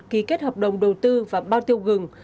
ký kết hợp đồng đầu tư và bao tiêu gừng